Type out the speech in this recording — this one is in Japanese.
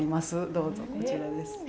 どうぞこちらです。